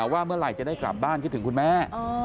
ว่าเมื่อไหร่จะได้กลับบ้านคิดถึงคุณแม่